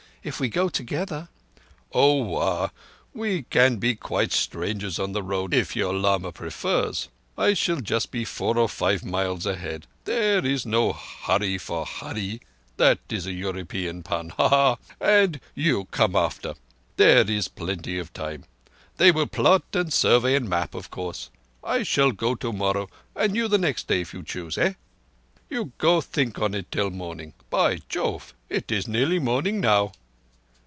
If we go together—" "Oah! We can be quite strangers on the road, if your lama prefers. I shall just be four or five miles ahead. There is no hurry for Hurree—that is an Europe pun, ha! ha!—and you come after. There is plenty of time; they will plot and survey and map, of course. I shall go tomorrow, and you the next day, if you choose. Eh? You go think on it till morning. By Jove, it is near morning now."